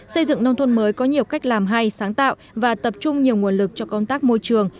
xây dựng nông thôn mới có nhiều cách làm hay sáng tạo và tập trung nhiều nguồn lực cho công tác môi trường